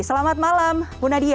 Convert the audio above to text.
selamat malam ibu nadia